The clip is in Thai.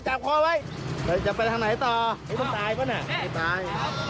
จับคอลไว้จับไปทางไหนต่อไม่ต้องตายปะเนี่ยไม่ตาย